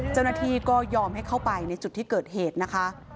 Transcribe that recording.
เจ้าหน้าที่ก็ยอมให้เข้าไปในจุดที่เกิดเหตุนะคะ